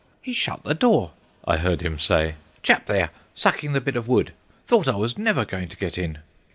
"He shut the door," I heard him say, "Chap there, sucking the bit of wood. Thought I was never going to get in."